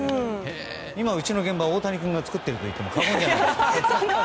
今、うちの現場は大谷君が作っているといっても過言じゃないです。